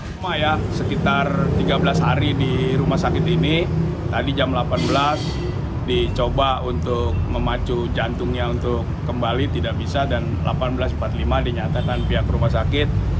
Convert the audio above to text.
cuma ya sekitar tiga belas hari di rumah sakit ini tadi jam delapan belas dicoba untuk memacu jantungnya untuk kembali tidak bisa dan delapan belas empat puluh lima dinyatakan pihak rumah sakit